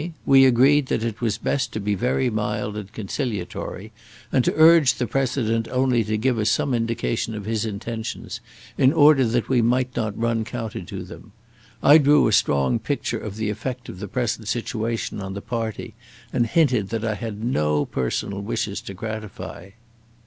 We agreed that it was best to be very mild and conciliatory, and to urge the President only to give us some indication of his intentions, in order that we might not run counter to them. I drew a strong picture of the effect of the present situation on the party, and hinted that I had no personal wishes to gratify."